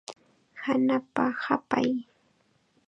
Hanapa hapay.